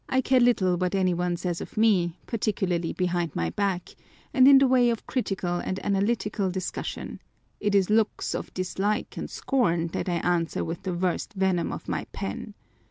1 care little what any one says of me, particularly behind my back, and in the way of critical and analytical discus sion : it is looks of dislike and scorn that I answer with the worst venom of my pen.